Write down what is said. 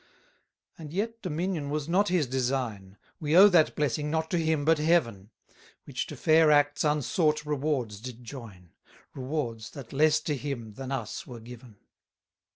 10 And yet dominion was not his design; We owe that blessing, not to him, but Heaven, Which to fair acts unsought rewards did join; Rewards, that less to him, than us, were given.